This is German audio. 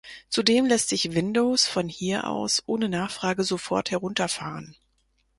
Zudem lässt sich Windows von hier aus ohne Nachfrage sofort herunterfahren.